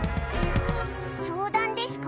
相談ですか？